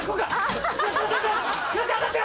よし当たってる！